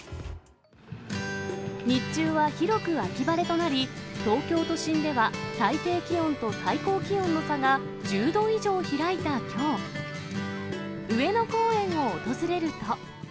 日中は広く秋晴れとなり、東京都心では最低気温と最高気温の差が１０度以上開いたきょう、上野公園を訪れると。